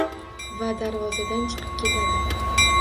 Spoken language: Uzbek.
Va darvozadan chiqib ketadi..